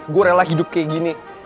gue rela hidup kayak gini